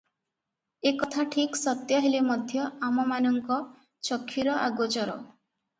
ଏ କଥା ଠିକ୍ ସତ୍ୟ ହେଲେ ମଧ୍ୟ ଆମମାନଙ୍କ ଚକ୍ଷୁର ଅଗୋଚର ।